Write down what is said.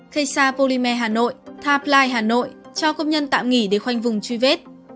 khe sa polymer hà nội tha play hà nội cho công nhân tạm nghỉ để khoanh vùng truy vết